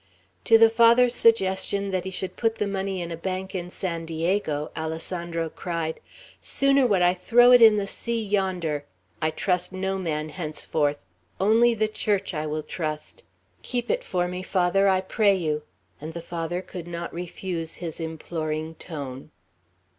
To the Father's suggestion that he should put the money in a bank in San Diego, Alessandro cried: "Sooner would I throw it in the sea yonder! I trust no man, henceforth; only the Church I will trust. Keep it for me, Father, I pray you," and the Father could not refuse his imploring tone.